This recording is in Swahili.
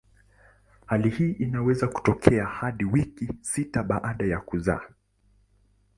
Hali hii inaweza kutokea hadi wiki sita baada ya kuzaa.